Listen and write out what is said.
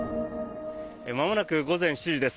まもなく午前７時です。